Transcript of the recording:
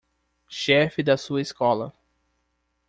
Chefe da sua escola